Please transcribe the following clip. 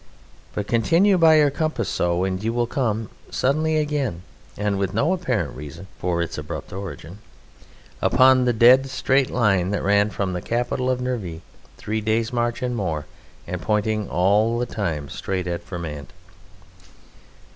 But continue by your compass so and you will come (suddenly again and with no apparent reason for its abrupt origin) upon the dead straight line that ran from the capital of the Nervii, three days' march and more, and pointing all the time straight at Vermand.